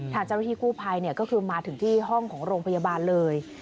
ทางเจ้าหน้าที่กู้ภัยก็คือมาถึงที่ห้องของโรงพยาบาลเลย